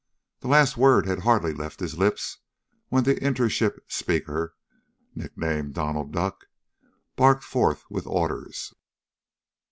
The last word had hardly left his lips when the inter ship speaker (nick named Donald Duck) barked forth with orders.